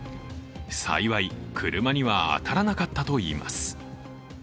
幸い、車には当たらなかったといいます。